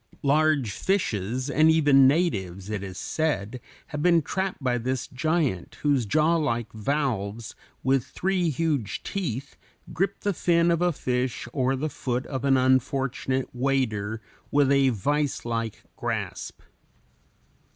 Large fishes, and even natives, it is said, have been trapped by this giant, whose jawlike valves, with three huge teeth, grip the fin of a fish or the foot of an unfortunate wader with a vicelike grasp.